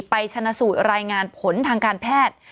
ชนะสูตรรายงานผลทางการแพทย์